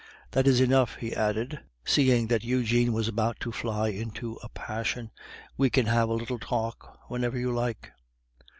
That is enough," he added, seeing that Eugene was about to fly into a passion. "We can have a little talk whenever you like."